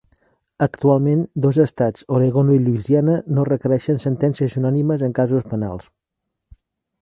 Actualment, dos estats, Oregon i Louisiana, no requereixen sentències unànimes en casos penals.